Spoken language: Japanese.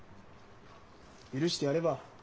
許してやれば？